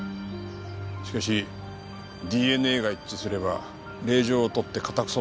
しかしＤＮＡが一致すれば令状を取って家宅捜索も出来る。